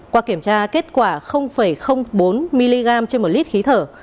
qua kiểm tra kết quả bốn mg trên một lít khí thở